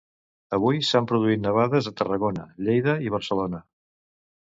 Avui s'han produït nevades a Tarragona, Lleida i Barcelona.